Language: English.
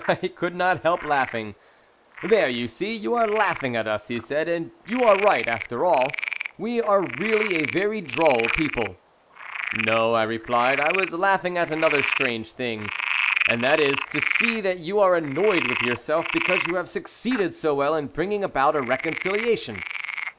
I could not help laughing. "There, you see, you are laughing at us," he said. "And you are right, after all. We are really a very droll people." "No," I replied, "I was laughing at another strange thing, and that is, to see that you are annoyed with yourself because you have succeeded so well in bringing about a reconciliation."